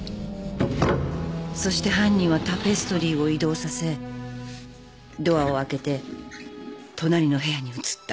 そして犯人はタペストリーを移動させドアを開けて隣の部屋に移った。